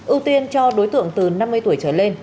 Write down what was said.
ưu tiên cho đối tượng từ năm mươi tuổi trở lên